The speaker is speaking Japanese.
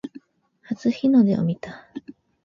初日の出を見た